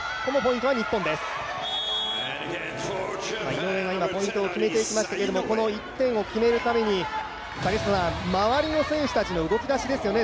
井上が今ポイントを決めていきましたけれども、この１点を決めるために周りの選手たちの動きですよね